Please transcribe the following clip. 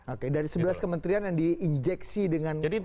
oke dari sebelas kementerian yang diinjeksi dengan menteri baru